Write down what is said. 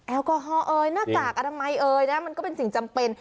แอลกอฮอล์เอ่ยหน้ากากอนามัยเอ่ยนะมันก็เป็นสิ่งจำเป็น